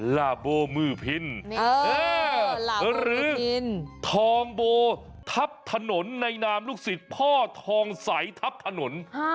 ลาโบมือพินหรือทองโบทับถนนในนามลูกศิษย์พ่อทองใสทับถนน